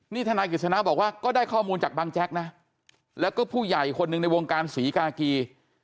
นี่ทนายกฤษณะบอกว่าก็ได้ข้อมูลจากบางแจ๊กนะแล้วก็ผู้ใหญ่คนหนึ่งในวงการศรีกากี